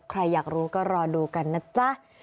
ใครอยากรู้ก็รอดูกันนะจ๊ะ